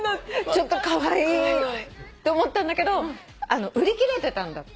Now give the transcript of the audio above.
ちょっとカワイイって思ったんだけど売り切れてたんだって。